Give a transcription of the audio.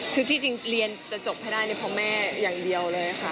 คือที่จริงเรียนจะจบให้ได้เนี่ยเพราะแม่อย่างเดียวเลยค่ะ